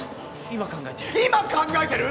「今考えてる」